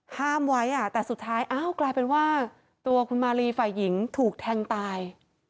ห้ามไว้แต่สุดท้ายอ้าวกลายเป็นว่าตัวคุณมารีฝ่ายหญิงถูกแทงตาย